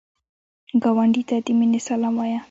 ګاونډي ته د مینې سلام وایه